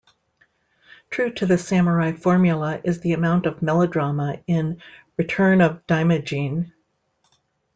True to the samurai formula is the amount of melodrama in "Return of Daimajin".